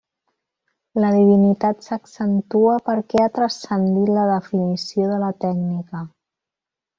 La divinitat s'accentua perquè ha transcendit la definició de la tècnica.